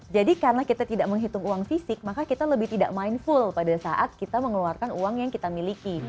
jadi karena kita tidak menghitung uang fisik maka kita lebih tidak mindful pada saat kita mengeluarkan uang yang kita miliki